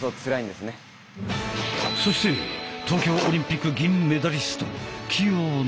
そして東京オリンピック銀メダリスト